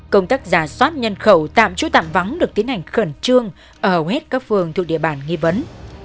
công tác giả soát nhân khẩu tạm trú tạm vắng được tiến hành khẩn trương ở hầu hết các phường thuộc địa bàn nghi vấn